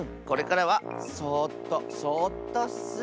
これからはそっとそっとッス。